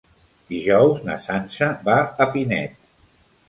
Dijous na Sança va a Pinet.